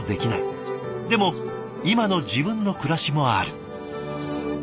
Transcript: でも今の自分の暮らしもある。